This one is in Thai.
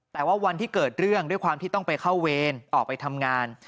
แต่ว่าวันที่เกิดเรื่องด้วยความที่ต้องไปเข้าเวรออกไปทำงาน